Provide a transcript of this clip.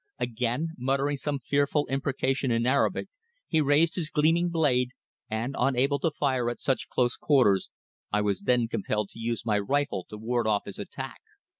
Again, muttering some fearful imprecation in Arabic, he raised his gleaming blade, and, unable to fire at such close quarters, I was then compelled to use my rifle to ward off his attack.